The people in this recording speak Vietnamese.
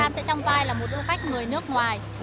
nam sẽ trong vai là một du khách người nước ngoài